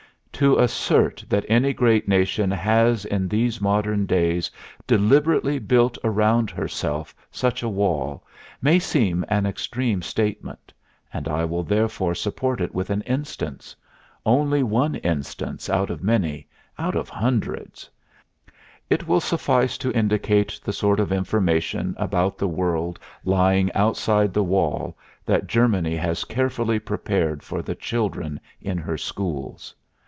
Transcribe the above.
To assert that any great nation has in these modern days deliberately built around herself such a wall, may seem an extreme statement, and I will therefore support it with an instance only one instance out of many, out of hundreds; it will suffice to indicate the sort of information about the world lying outside the wall that Germany has carefully prepared for the children in her schools.